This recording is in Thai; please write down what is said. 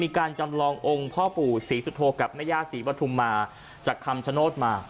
การจำลององค์พ่อปู่ศรีสุโธกับแม่ย่าศรีปฐุมมาจากคำชโนธมา